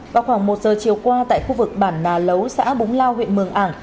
vào khoảng một giờ chiều qua tại khu vực bản nà lấu xã búng lao huyện mường ảng